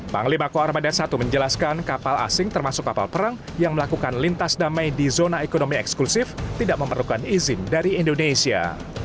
panglima koarmada satu menjelaskan kapal asing termasuk kapal perang yang melakukan lintas damai di zona ekonomi eksklusif tidak memerlukan izin dari indonesia